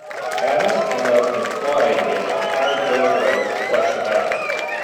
Adams came up with plot ideas and hired ghostwriters to flesh them out.